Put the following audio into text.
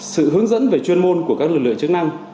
sự hướng dẫn về chuyên môn của các lực lượng chức năng